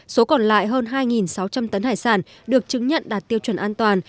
số còn lại hơn hai sáu trăm linh tấn hải sản được chứng nhận đạt tiêu chuẩn an toàn